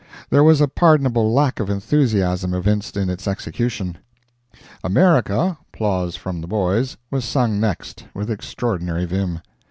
There was a pardonable lack of enthusiasm evinced in its execution. "America" (applause from the boys) was sung next, with extraordinary vim.